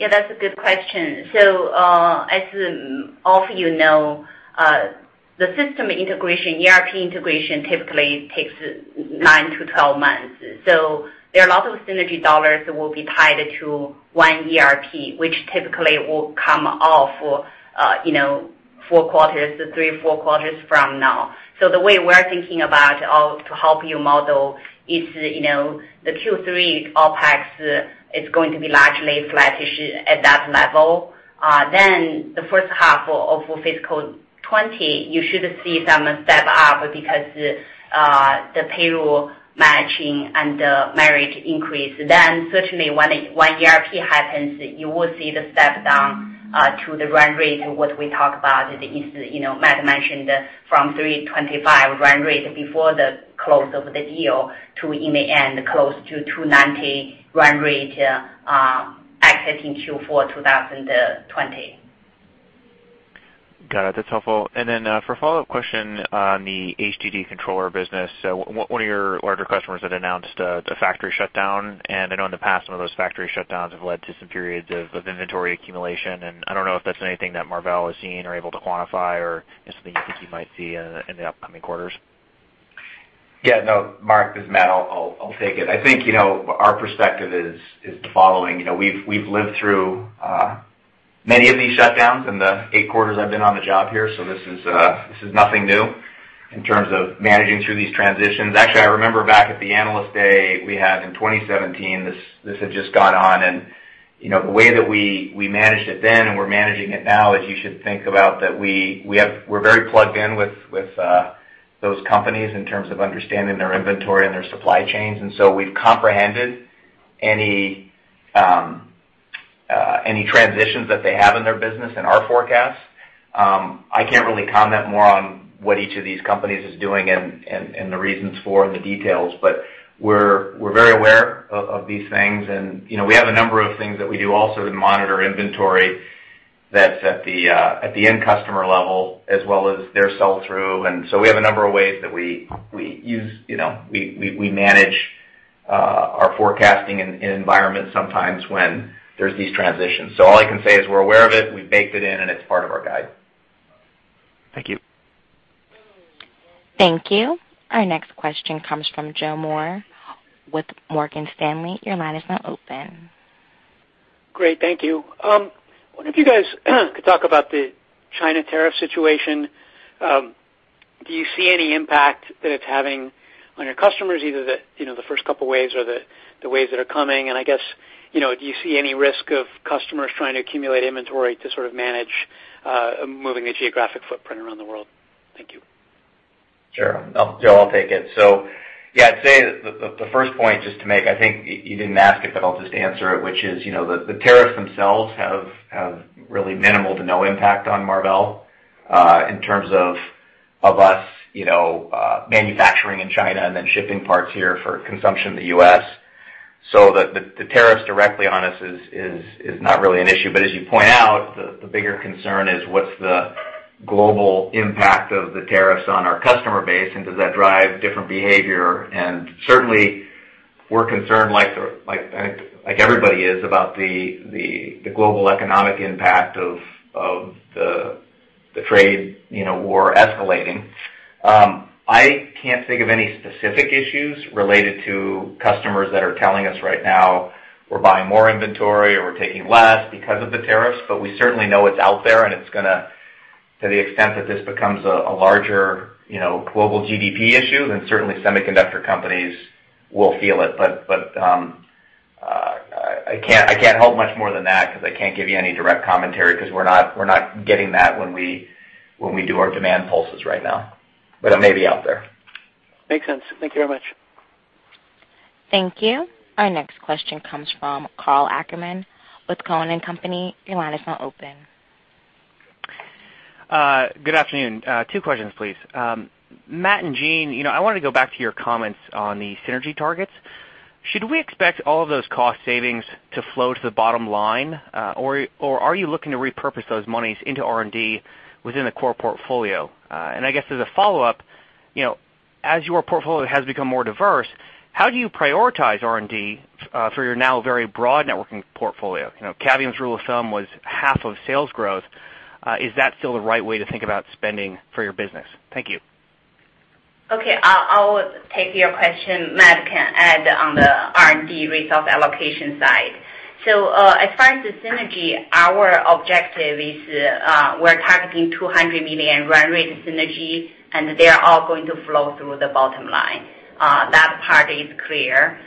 Yeah, that's a good question. As all of you know, the system integration, ERP integration typically takes nine to 12 months. There are a lot of synergy dollars that will be tied to one ERP, which typically will come off for, you know, four quarters, three or four quarters from now. The way we're thinking about or to help you model is, you know, the Q3 OpEx is going to be largely flattish at that level. The first half of fiscal 2020, you should see some step up because the payroll matching and the merger increase. Certainly when ERP happens, you will see the step-down to the run rate, what we talk about is, you know, Matt mentioned from $325 run rate before the close of the deal to in the end close to $290 run rate, exiting Q4 2020. Got it. That's helpful. Then, for a follow-up question on the HDD controller business, one of your larger customers had announced a factory shutdown, and I know in the past some of those factory shutdowns have led to some periods of inventory accumulation. I don't know if that's anything that Marvell is seeing or able to quantify or is something you think you might see in the upcoming quarters. Yeah, no, Mark, this is Matt. I'll take it. I think, you know, our perspective is the following. You know, we've lived through many of these shutdowns in the eight quarters I've been on the job here, so this is nothing new in terms of managing through these transitions. Actually, I remember back at the Analyst Day we had in 2017, this had just gone on. You know, the way that we managed it then and we're managing it now is you should think about that we're very plugged in with those companies in terms of understanding their inventory and their supply chains. We've comprehended any any transitions that they have in their business in our forecast. I can't really comment more on what each of these companies is doing and the reasons for and the details, but we're very aware of these things. You know, we have a number of things that we do also to monitor inventory that's at the end customer level as well as their sell-through. We have a number of ways that we use, you know, we manage our forecasting in environment sometimes when there's these transitions. All I can say is we're aware of it, we've baked it in, and it's part of our guide. Thank you. Thank you. Our next question comes from Joe Moore with Morgan Stanley. Your line is now open. Great. Thank you. Wonder if you guys could talk about the China tariff situation. Do you see any impact that it's having on your customers, either the, you know, the first couple waves or the waves that are coming? I guess, you know, do you see any risk of customers trying to accumulate inventory to sort of manage, moving a geographic footprint around the world? Thank you. Sure. Joe, I'll take it. Yeah, I'd say the first point just to make, I think you didn't ask it, but I'll just answer it, which is, you know, the tariffs themselves have really minimal to no impact on Marvell in terms of us, you know, manufacturing in China and then shipping parts here for consumption in the U.S. The tariffs directly on us is not really an issue. As you point out, the bigger concern is what's the global impact of the tariffs on our customer base and does that drive different behavior. Certainly, we're concerned like everybody is about the global economic impact of the trade, you know, war escalating. I can't think of any specific issues related to customers that are telling us right now, we're buying more inventory or we're taking less because of the tariffs. We certainly know it's out there, and to the extent that this becomes a larger, you know, global GDP issue, then certainly semiconductor companies will feel it. I can't help much more than that because I can't give you any direct commentary because we're not getting that when we do our demand pulses right now. It may be out there. Makes sense. Thank you very much. Thank you. Our next question comes from Karl Ackerman with Cowen and Company. Your line is now open. Good afternoon. two questions, please. Matt and Jean, you know, I wanted to go back to your comments on the synergy targets. Should we expect all of those cost savings to flow to the bottom line? Are you looking to repurpose those monies into R&D within the core portfolio? I guess as a follow-up, you know, as your portfolio has become more diverse, how do you prioritize R&D for your now very broad networking portfolio? You know, Cavium's rule of thumb was half of sales growth. Is that still the right way to think about spending for your business? Thank you. Okay. I'll take your question. Matt can add on the R&D resource allocation side. As far as the synergy, our objective is, we're targeting $200 million run rate synergy, and they are all going to flow through the bottom line. That part is clear.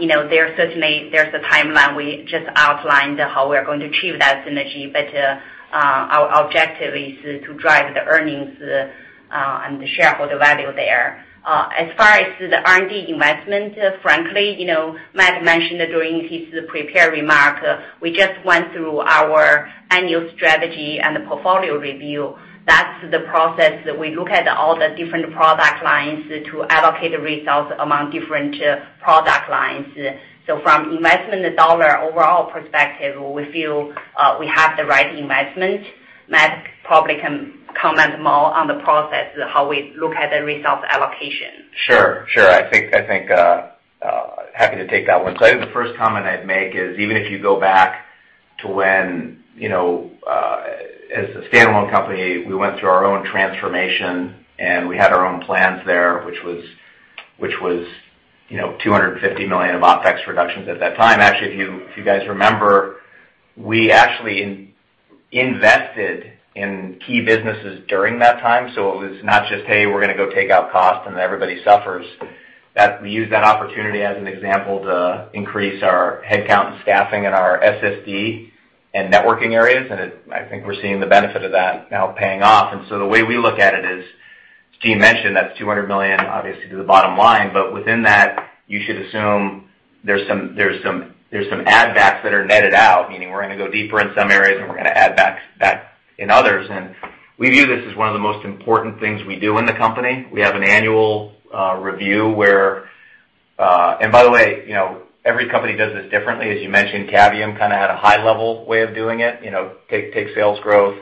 You know, there certainly there's a timeline. We just outlined how we're going to achieve that synergy, our objective is to drive the earnings, and the shareholder value there. As far as the R&D investment, frankly, you know, Matt mentioned during his prepared remark, we just went through our annual strategy and the portfolio review. That's the process. We look at all the different product lines to allocate the results among different product lines. From investment dollar overall perspective, we feel, we have the right investment. Matt probably can comment more on the process, how we look at the resource allocation. Sure. I think, happy to take that one. I think the first comment I'd make is even if you go back to when, you know, as a standalone company, we went through our own transformation, and we had our own plans there, which was, you know, $250 million of OpEx reductions at that time. Actually, if you, if you guys remember, we actually invested in key businesses during that time. It was not just, "Hey, we're gonna go take out cost, and everybody suffers." We used that opportunity as an example to increase our headcount and staffing in our SSD and networking areas. I think we're seeing the benefit of that now paying off. The way we look at it is, as Jean mentioned, that's $200 million obviously to the bottom line. Within that, you should assume there's some add backs that are netted out, meaning we're gonna go deeper in some areas, and we're gonna add backs back in others. We view this as one of the most important things we do in the company. We have an annual review where. By the way, you know, every company does this differently. As you mentioned, Cavium kind of had a high level way of doing it. You know, take sales growth,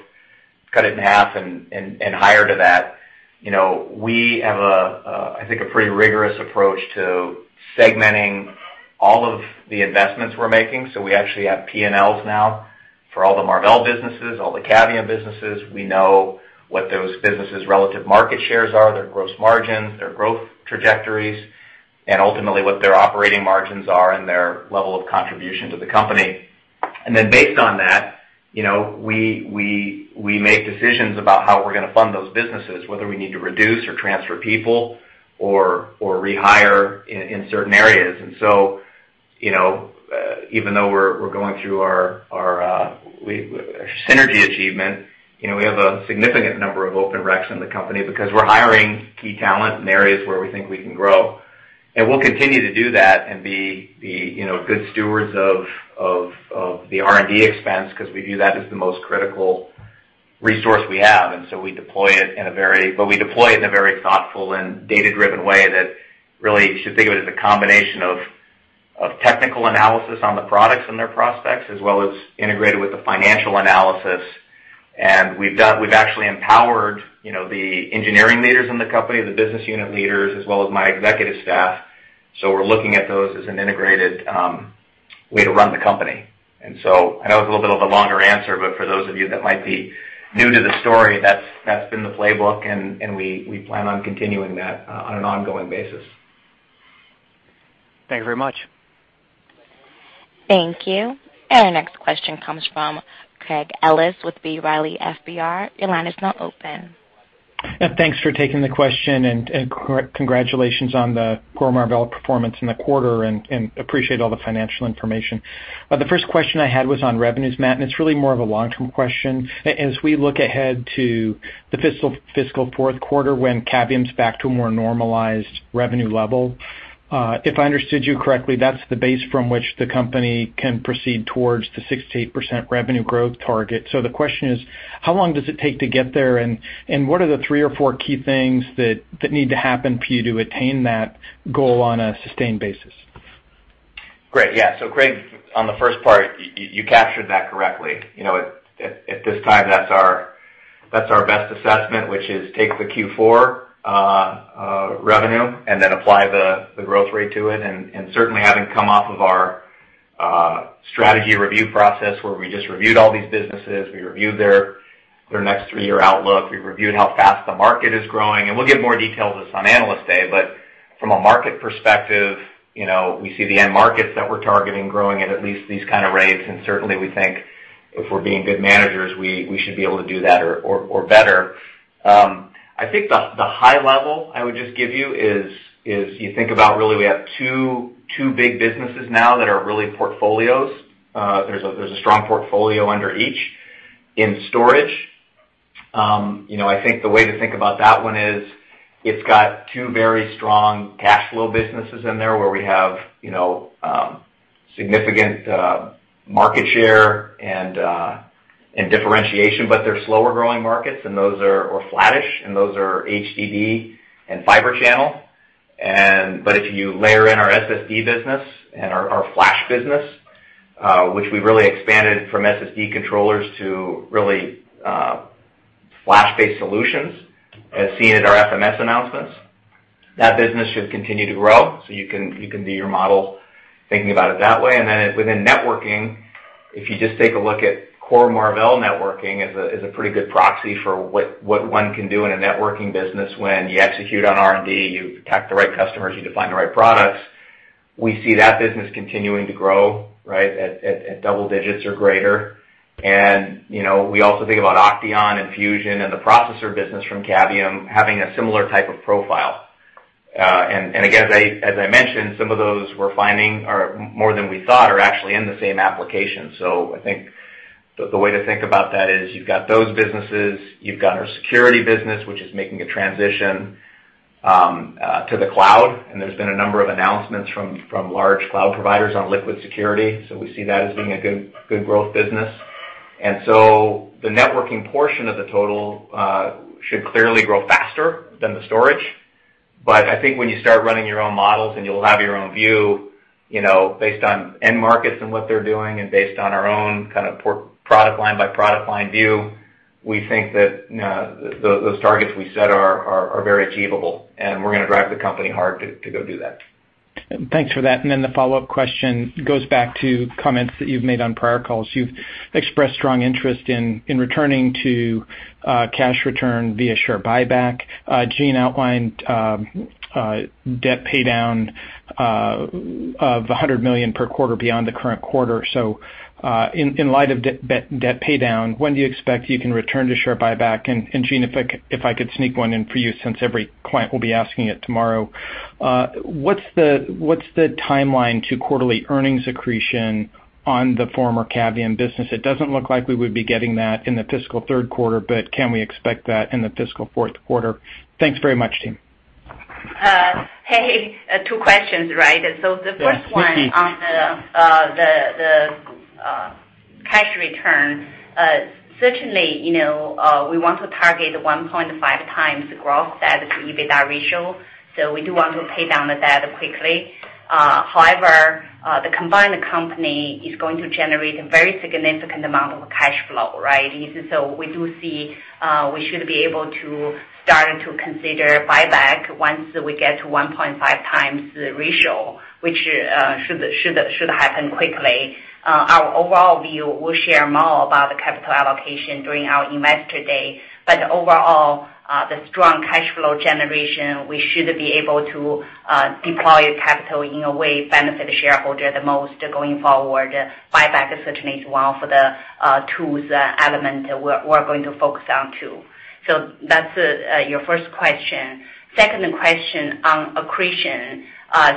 cut it in half and higher to that. You know, we have, I think a pretty rigorous approach to segmenting all of the investments we're making. We actually have P&Ls now for all the Marvell businesses, all the Cavium businesses. We know what those businesses' relative market shares are, their gross margins, their growth trajectories, and ultimately what their operating margins are and their level of contribution to the company. Based on that, you know, we make decisions about how we're gonna fund those businesses, whether we need to reduce or transfer people or rehire in certain areas. You know, even though we're going through our synergy achievement, you know, we have a significant number of open reqs in the company because we're hiring key talent in areas where we think we can grow. We'll continue to do that and be, you know, good stewards of the R&D expense 'cause we view that as the most critical resource we have. We deploy it in a very thoughtful and data-driven way that really you should think of it as a combination of technical analysis on the products and their prospects as well as integrated with the financial analysis. We've actually empowered, you know, the engineering leaders in the company, the business unit leaders, as well as my executive staff. We're looking at those as an integrated way to run the company. I know it's a little bit of a longer answer, but for those of you that might be new to the story, that's been the playbook, and we plan on continuing that on an ongoing basis. Thank you very much. Thank you. Our next question comes from Craig Ellis with B. Riley FBR. Your line is now open. Yeah, thanks for taking the question and congratulations on the core Marvell performance in the quarter and appreciate all the financial information. The first question I had was on revenues, Matt, and it's really more of a long-term question. As we look ahead to the fiscal fourth quarter when Cavium's back to a more normalized revenue level, if I understood you correctly, that's the base from which the company can proceed towards the 68% revenue growth target. The question is: How long does it take to get there, and what are the three or four key things that need to happen for you to attain that goal on a sustained basis? Great. Yeah. Craig on the first part, you captured that correctly. You know at this time that's our best assessment which is take the Q4 revenue and then apply the growth rate to it. Certainly having come off of our strategy review process where we just reviewed all these businesses, we reviewed their next three-year outlook. We reviewed how fast the market is growing, and we'll give more details on Analyst Day. From a market perspective, you know, we see the end markets that we're targeting growing at at least these kind of rates. Certainly, we think if we're being good managers, we should be able to do that or better. I think the high level I would just give you is you think about we have two big businesses now that are portfolios. There's a strong portfolio under each. In storage, you know, I think the way to think about that one is it's got two very strong cash flow businesses in there where we have, you know, Significant market share and differentiation, but they're slower-growing markets, or flattish, and those are HDD and Fibre Channel. If you layer in our SSD business and our flash business, which we've really expanded from SSD controllers to really flash-based solutions, as seen in our FMS announcements, that business should continue to grow. You can do your model thinking about it that way. Then within networking, if you just take a look at core Marvell networking as a pretty good proxy for what one can do in a networking business when you execute on R&D, you attack the right customers, you define the right products. We see that business continuing to grow, right, at double digits or greater. And, you know, we also think about OCTEON and Fusion and the processor business from Cavium having a similar type of profile. And again, as I mentioned, some of those we're finding are more than we thought are actually in the same application. I think the way to think about that is you've got those businesses, you've got our security business, which is making a transition to the cloud, and there's been a number of announcements from large cloud providers on LiquidSecurity. We see that as being a good growth business. The networking portion of the total should clearly grow faster than the storage. I think when you start running your own models and you'll have your own view, you know, based on end markets and what they're doing and based on our own kind of poor product line by product line view, we think that those targets we set are very achievable, and we're gonna drive the company hard to go do that. Thanks for that. The follow-up question goes back to comments that you've made on prior calls. You've expressed strong interest in returning to cash return via share buyback. Jean outlined debt paydown of $100 million per quarter beyond the current quarter. In light of debt paydown, when do you expect you can return to share buyback? Jean, if I could sneak one in for you, since every client will be asking it tomorrow, what's the timeline to quarterly earnings accretion on the former Cavium business? It doesn't look like we would be getting that in the fiscal third quarter, but can we expect that in the fiscal fourth quarter? Thanks very much, team. Hey, two questions, right? Yes, mm-hmm. The first one on the cash return, certainly, you know, we want to target 1.5x growth as EBITDA ratio. We do want to pay down the debt quickly. However, the combined company is going to generate a very significant amount of cash flow, right? We do see, we should be able to start to consider buyback once we get to 1.5x the ratio, which should happen quickly. Our overall view, we'll share more about the capital allocation during our Investor Day. Overall, the strong cash flow generation, we should be able to deploy capital in a way benefit shareholder the most going forward. Buyback is certainly one of the tools, element we're going to focus on too. That's your first question. Second question on accretion,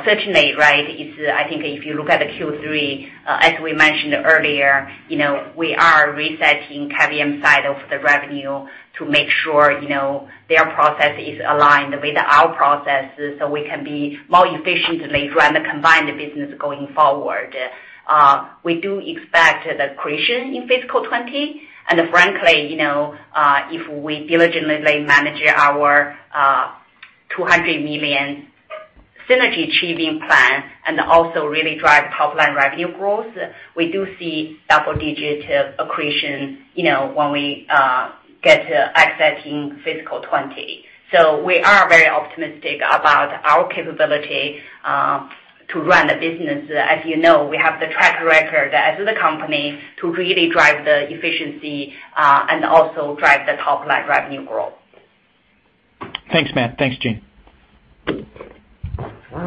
certainly, right, if you look at the Q3, as we mentioned earlier, you know, we are resetting Cavium side of the revenue to make sure, you know, their process is aligned with our processes so we can be more efficiently run the combined business going forward. We do expect the accretion in fiscal 2020. Frankly, you know, if we diligently manage our $200 million synergy achieving plan and also really drive top-line revenue growth, we do see double-digit accretion, you know, when we get to accessing fiscal 2020. We are very optimistic about our capability to run the business. As you know, we have the track record as the company to really drive the efficiency and also drive the top-line revenue growth. Thanks, Matt. Thanks, Jean.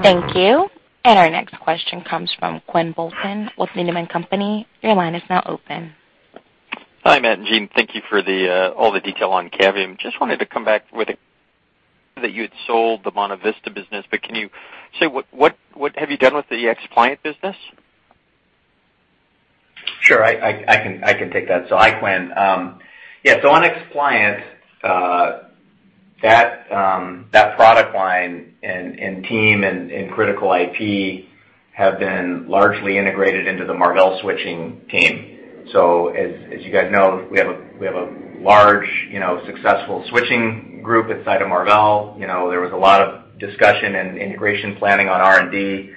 Thank you. Our next question comes from Quinn Bolton with Needham & Company. Your line is now open. Hi, Matt and Jean. Thank you for all the detail on Cavium. That you had sold the MontaVista business, but can you say what have you done with the XPliant business? Sure. I can take that. Hi, Quinn. Yeah, on XPliant, that product line and team and critical IP have been largely integrated into the Marvell switching team. As you guys know, we have a large, you know, successful switching group inside of Marvell. You know, there was a lot of discussion and integration planning on R&D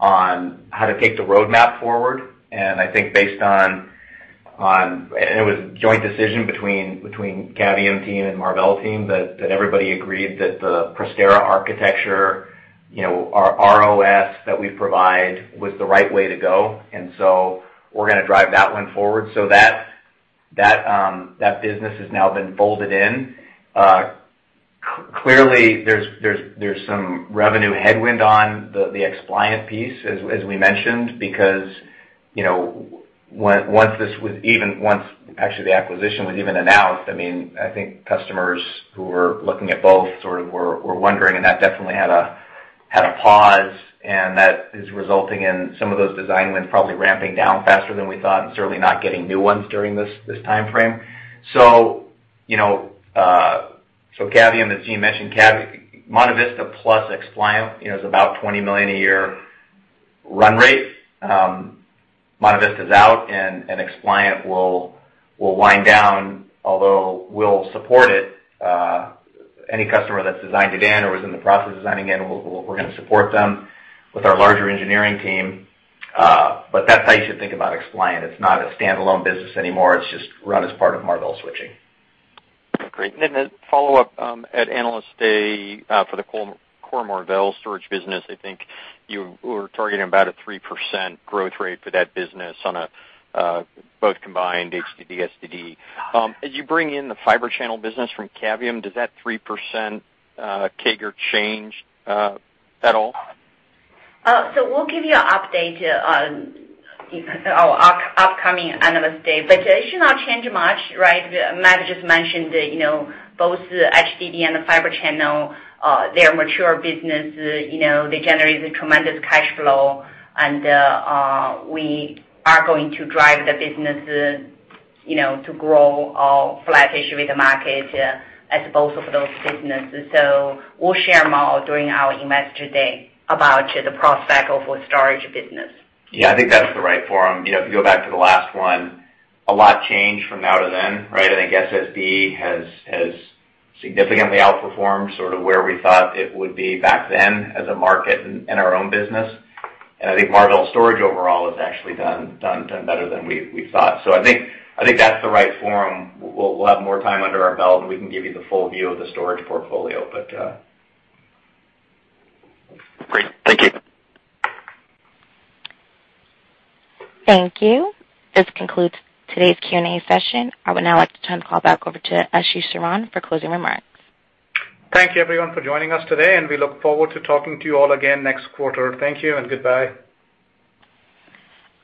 on how to take the roadmap forward. I think based on, it was a joint decision between Cavium team and Marvell team that everybody agreed that the Prestera architecture, you know, our ROS that we provide was the right way to go. We're going to drive that one forward. That business has now been folded in. Clearly, there's some revenue headwind on the XPliant piece, as we mentioned, because, you know, once actually the acquisition was even announced, I mean, I think customers who were looking at both sort of were wondering, and that definitely had a pause, and that is resulting in some of those design wins probably ramping down faster than we thought and certainly not getting new ones during this timeframe. You know, Cavium, as Jean mentioned, MontaVista plus XPliant, you know, is about $20 million a year run rate. MontaVista is out and XPliant will wind down, although we'll support it. Any customer that's designed it in or is in the process of designing in, we're gonna support them with our larger engineering team. That's how you should think about XPliant. It's not a standalone business anymore. It's just run as part of Marvell Switching. Great. A follow-up, at Analyst Day, for the core Marvell storage business, I think you were targeting about a 3% growth rate for that business on a both combined HDD, SSD. As you bring in the Fibre Channel business from Cavium, does that 3% CAGR change at all? We'll give you an update on our upcoming Analyst Day. It should not change much, right? Matt just mentioned that, you know, both HDD and the Fibre Channel, they're mature business. You know, they generate a tremendous cash flow and we are going to drive the business, you know, to grow or flat-ish with the market as both of those businesses. We'll share more during our Investor Day about the prospect of our storage business. Yeah, I think that's the right forum. You know, if you go back to the last one, a lot changed from now to then, right? I think SSD has significantly outperformed sort of where we thought it would be back then as a market and our own business. I think Marvell Storage overall has actually done better than we thought. I think that's the right forum. We'll have more time under our belt, and we can give you the full view of the storage portfolio. Great. Thank you. Thank you. This concludes today's Q&A session. I would now like to turn the call back over to Ashish Saran for closing remarks. Thank you, everyone, for joining us today, and we look forward to talking to you all again next quarter. Thank you and goodbye.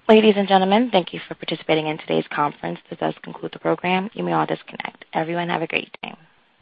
Ladies and gentlemen, thank you for participating in today's conference. This does conclude the program. You may all disconnect. Everyone, have a great day.